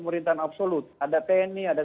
pemerintahan absolut ada tni ada